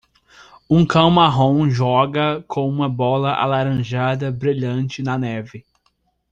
Um cão marrom joga com uma bola alaranjada brilhante na neve.